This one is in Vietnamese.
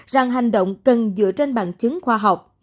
rằng hành động cần dựa trên bằng chứng khoa học